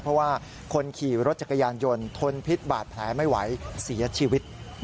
เพราะว่าคนขี่รถจักรยานยนต์ทนพิษบาดแผลไม่ไหวเสียชีวิต